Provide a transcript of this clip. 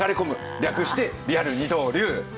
略してリアル二冬流。